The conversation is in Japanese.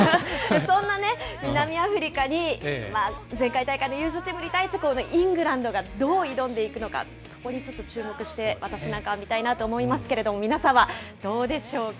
そんなね、南アフリカに前回大会の優勝チームに対して、イングランドがどう挑んでいくのか、そこにちょっと注目して、私なんかは見たいなと思いますけれども、皆さんはどうでしょうか。